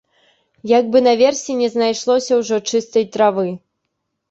Як бы наверсе не знайшлося ўжо чыстай травы.